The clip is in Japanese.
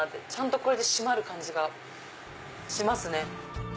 これで締まる感じがしますね。